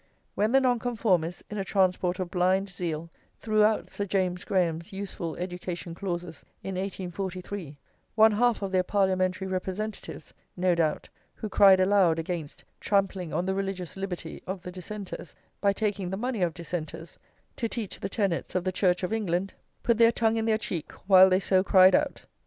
When the Nonconformists, in a transport of blind zeal, threw out Sir James Graham's useful Education Clauses in 1843, one half of their parliamentary representatives, no doubt, who cried aloud against "trampling on the religious liberty of the Dissenters by taking the money of Dissenters to teach the tenets of the Church of England," put their tongue in their cheek while they so cried out.